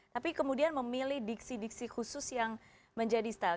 tapi kemudian memilih diksi diksi khusus yang menjadi style